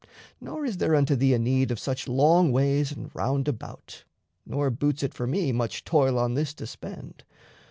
Nor is there unto thee a need Of such long ways and roundabout, nor boots it For me much toil on this to spend.